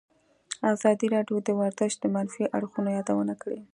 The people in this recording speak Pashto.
ازادي راډیو د ورزش د منفي اړخونو یادونه کړې.